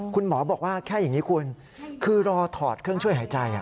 คุณหมอบอกว่าแค่อย่างนี้คุณคือรอถอดเครื่องช่วยหายใจ